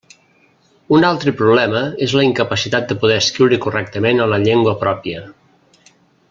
Un altre problema és la incapacitat de poder escriure correctament en la llengua pròpia.